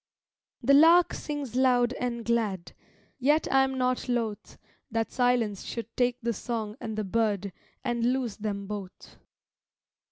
The lark sings loud and glad, Yet I am not loth That silence should take the song and the bird And lose them both.